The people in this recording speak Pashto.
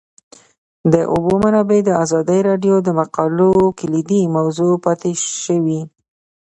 د اوبو منابع د ازادي راډیو د مقالو کلیدي موضوع پاتې شوی.